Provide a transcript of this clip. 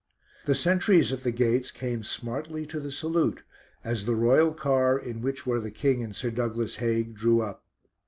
The sentries at the gates came smartly to the salute as the royal car, in which were the King and Sir Douglas Haig, drew up.